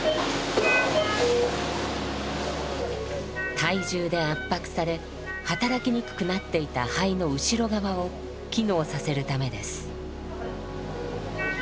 体重で圧迫され働きにくくなっていた肺の後ろ側を機能させるためです。